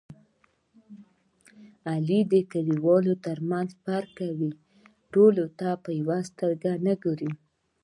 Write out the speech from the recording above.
علي د کلیوالو ترمنځ فرق کوي. ټولو ته په یوه سترګه نه ګوري.